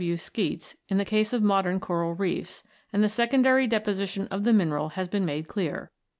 W. Skeatsds) in the case of modern coral reefs, and the secondary deposition of the mineral has been made clear.